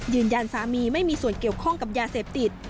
สามีไม่มีส่วนเกี่ยวข้องกับยาเสพติด